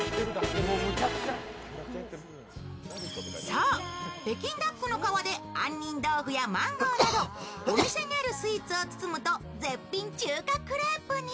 そう北京ダックの皮で杏仁豆腐やマンゴーなど、お店にあるスイーツを包むと絶品中華クレープに。